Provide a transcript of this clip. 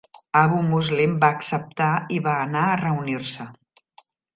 Abu Muslim va acceptar i va anar a reunir-se.